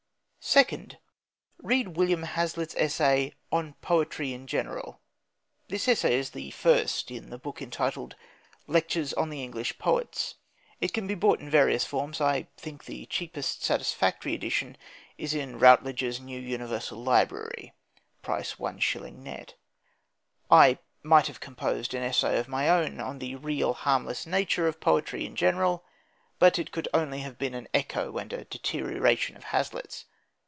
Second: Read William Hazlitt's essay "On Poetry in General." This essay is the first in the book entitled Lectures on the English Poets. It can be bought in various forms. I think the cheapest satisfactory edition is in Routledge's "New Universal Library" (price 1s. net). I might have composed an essay of my own on the real harmless nature of poetry in general, but it could only have been an echo and a deterioration of Hazlitt's.